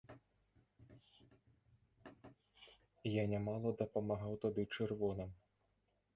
Я нямала дапамагаў тады чырвоным.